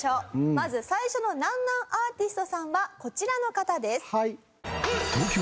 まず最初のなんなんアーティストさんはこちらの方です。